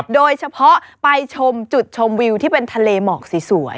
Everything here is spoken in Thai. โดยเฉพาะไปชมจุดชมวิวที่เป็นทะเลหมอกสวย